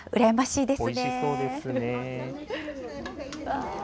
おいしそうですね。